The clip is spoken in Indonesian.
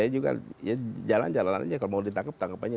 jalan jalan aja kalau mau ditangkap tangkap aja